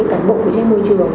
cán bộ phụ trách môi trường